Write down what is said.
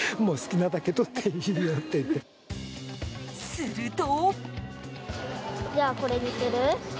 すると。